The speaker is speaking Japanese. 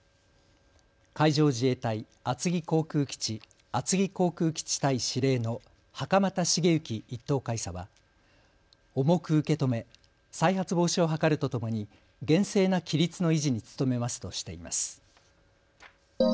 海上自衛隊厚木航空基地厚木航空基地隊司令の袴田重征１等海佐は重く受け止め、再発防止を図るとともに厳正な規律の維持に努めますとしています。